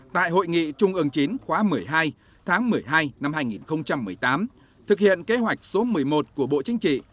tại hội nghị trung ương chín khóa một mươi hai tháng một mươi hai năm hai nghìn một mươi tám thực hiện kế hoạch số một mươi một của bộ chính trị